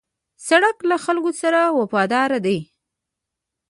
سړک له خلکو سره وفاداره دی.